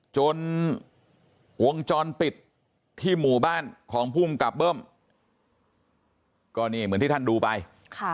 จนวงจรปิดที่หมู่บ้านของภูมิกับเบิ้มก็นี่เหมือนที่ท่านดูไปค่ะ